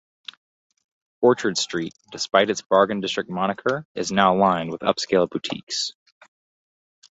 Orchard Street, despite its "Bargain District" moniker, is now lined with upscale boutiques.